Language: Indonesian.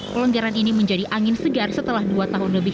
pelonggaran ini menjadi angin segar setelah dua tahun lebih